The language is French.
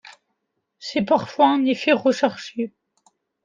C'est parfois un effet recherché.